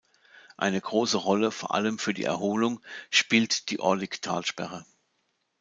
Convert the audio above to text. Eine große Rolle, vor allem für die Erholung, spielt die Orlík-Talsperre.